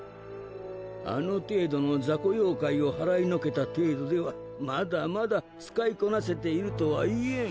あの程度の雑魚妖怪を払い除けた程度ではまだまだ使いこなせているとは言えん。